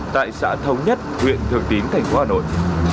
tại xã thống nhất huyện thường tín thành phố hà nội